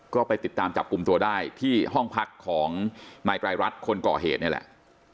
ก็ไปติดตามจับกลุ่มตัวได้ที่ห้องพักของนายไตรรัฐคนก่อเหตุนี่แหละ